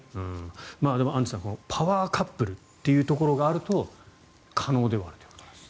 でも、アンジュさんパワーカップルっていうところがあると可能ではあるということです。